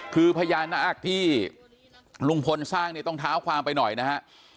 คือพญานาคที่ลุงพลสร้างเนี่ยต้องเท้าความไปหน่อยนะฮะ